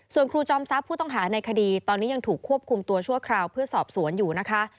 ส่วนครูจอมทรัพย์ผู้ต้องหาในคดีตอนนี้ยังถูกควบคุมตัวชั่วคราวเพื่อสอบสวนอยู่นะคะ